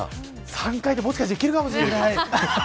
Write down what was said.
３回転、もしかしていけるかもしれない。